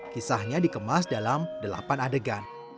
kisahnya dikemas dalam delapan adegan